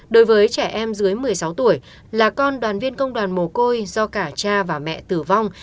đối với trẻ em dưới một mươi sáu tuổi là con đoàn viên công đoàn mồ côi do cả cha và mẹ tử vong